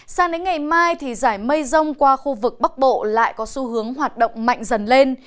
sang đến ngày mai thì giải mây rông qua khu vực bắc bộ lại có xu hướng hoạt động mạnh dần lên